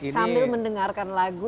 sambil mendengarkan lagu